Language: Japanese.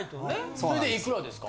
それでいくらですか？